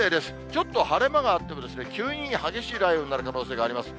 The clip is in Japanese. ちょっと晴れ間があっても、急に激しい雷雨になる可能性があります。